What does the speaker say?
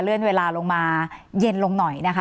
เวลาลงมาเย็นลงหน่อยนะคะ